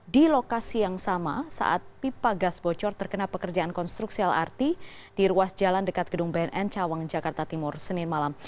di lokasi yang sama saat pipa gas bocor terkena pekerjaan konstruksi lrt di ruas jalan dekat gedung bnn cawang jakarta timur senin malam